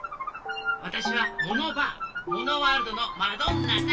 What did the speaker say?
わたしはモノバアモノワールドのマドンナさ。